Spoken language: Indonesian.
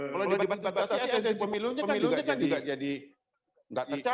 kalau dibatasi asasi pemilunya kan juga jadi